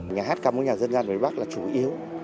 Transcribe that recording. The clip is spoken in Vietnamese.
nhà hát cắm của nhà dân gian đối bắc là chủ yếu